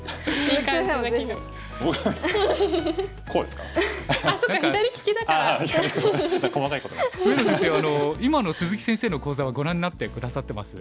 上野先生は今の鈴木先生の講座はご覧になって下さってます？